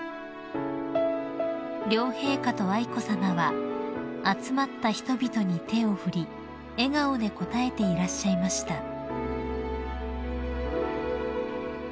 ［両陛下と愛子さまは集まった人々に手を振り笑顔で応えていらっしゃいました］